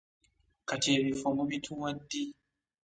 Kati ebifo mubituwa ddi?